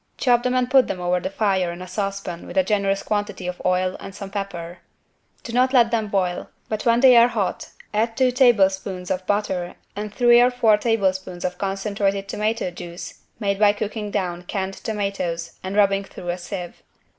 Chop them and put over the fire in a saucepan with a generous quantity of oil and some pepper. Do not let them boil, but when they are hot add two tablespoons of butter and three or four tablespoons of concentrated tomato juice made by cooking down canned tomatoes and rubbing through a sieve.